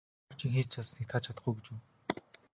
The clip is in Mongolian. Жоржийн хийж чадсаныг та чадахгүй гэж үү?